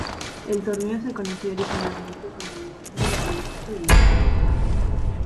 El torneo se conocía originalmente con el nombre de Abierto de Italia.